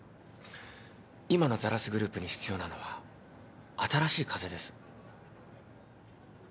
今のザラスグループに必要なのは新しい風です。